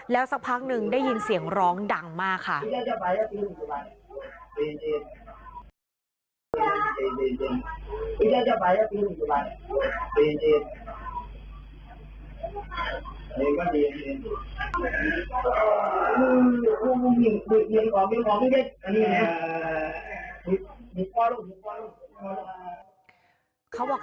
สักพักหนึ่งได้ยินเสียงร้องดังมากค่ะ